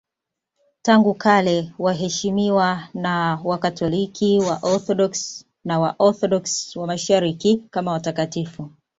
Tangu kale wanaheshimiwa na Wakatoliki, Waorthodoksi na Waorthodoksi wa Mashariki kama watakatifu.